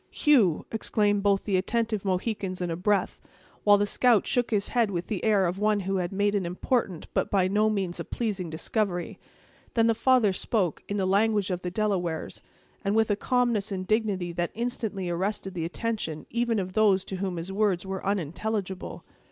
"Hugh!" exclaimed both the attentive Mohicans in a breath; while the scout shook his head with the air of one who had made an important but by no means a pleasing discovery. Then the father spoke, in the language of the Delawares, and with a calmness and dignity that instantly arrested the attention even of those to whom his words were unintelligible.